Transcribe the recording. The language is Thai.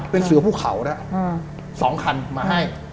เป็นสือผู้เคานะสองคันมาให้